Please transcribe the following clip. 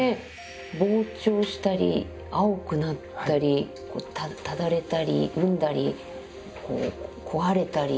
膨張したり青くなったり爛れたり膿んだり壊れたり。